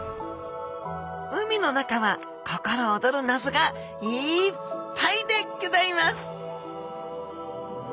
海の中は心おどる謎がいっぱいでギョざいます！